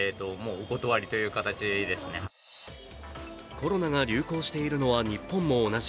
コロナが流行しているのは日本も同じ。